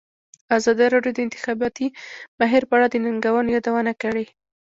ازادي راډیو د د انتخاباتو بهیر په اړه د ننګونو یادونه کړې.